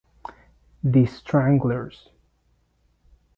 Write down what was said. The Stranglers